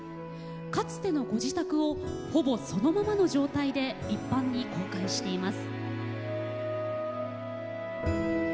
かつてのご自宅をほぼそのままの状態で一般に公開しています。